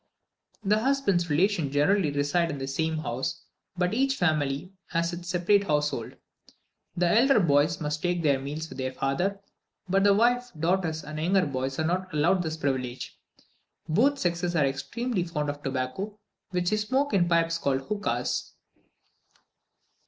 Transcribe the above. The husband's relations generally reside in the same house, but each family has its separate household. The elder boys take their meals with their father, but the wife, daughters, and younger boys are not allowed this privilege. Both sexes are extremely fond of tobacco, which they smoke in pipes called hookas.